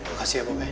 makasih ya bapak